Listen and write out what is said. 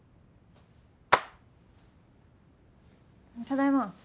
ただいま。